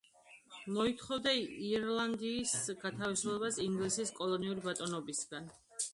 მოითხოვდა ირლანდიის გათავისუფლებას ინგლისის კოლონიური ბატონობისაგან.